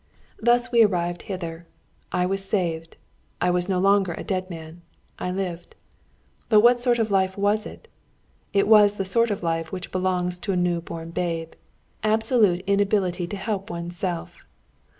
Thus we arrived hither. I was saved. I was no longer a dead man. I lived. But what sort of a life was it? It was the sort of life which belongs to a new born babe: absolute inability to help one's self.